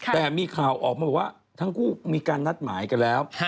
แต่มีข่าวออกมาบอกว่าทั้งคู่มีการนัดหมายกันแล้ว